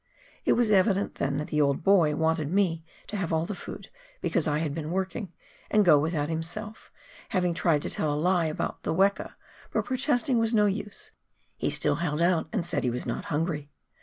It was evident then that the old boy wanted me to have all the food because I had been working, and go without it himself, having tried to tell a lie about the weka ; but protesting was no use, he still held out and said he was not hungry.